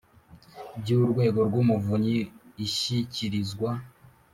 by Urwego rw Umuvunyi ishyikirizwa